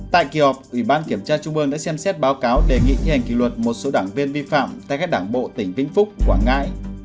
tại kỳ họp ủy ban kiểm tra trung ương đã xem xét báo cáo đề nghị thi hành kỷ luật một số đảng viên vi phạm tại các đảng bộ tỉnh vĩnh phúc quảng ngãi